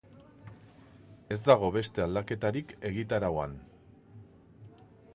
Ez dago beste aldaketarik egitarauan.